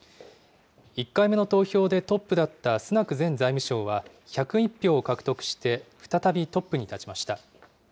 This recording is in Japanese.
１回目の投票でトップだったスナク前財務相は１０１票を獲得して再びトップに立ちました。